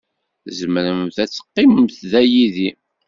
Tzemremt ad teqqimemt da yid-i